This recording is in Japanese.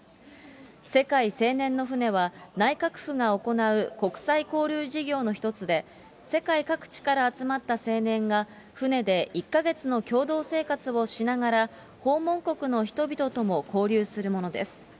世界青年の船は、内閣府が行う国際交流事業の一つで、世界各地から集まった青年が船で１か月の共同生活をしながら、訪問国の人々とも交流するものです。